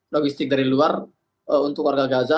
logistik dari luar untuk warga gaza